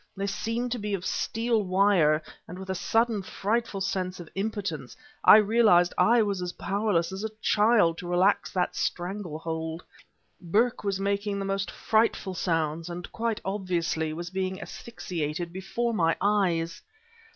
They seemed to be of steel wire, and with a sudden frightful sense of impotence, I realized that I was as powerless as a child to relax that strangle hold. Burke was making the most frightful sounds and quite obviously was being asphyxiated before my eyes!